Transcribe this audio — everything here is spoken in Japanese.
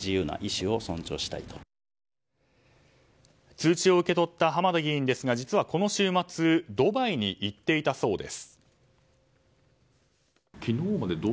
通知を受け取った浜田議員ですが、実はこの週末ドバイに行っていたそうです。